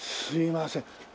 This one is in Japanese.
すいません。